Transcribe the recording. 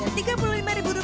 nanti mama akan bantu